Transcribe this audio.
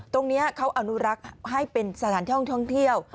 ตรงนี้เขาอนุรักษ์ให้เป็นสถานที่ท่องเที่ยว